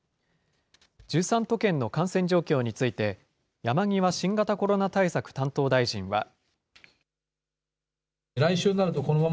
１３都県の感染状況について、山際新型コロナ対策担当大臣は。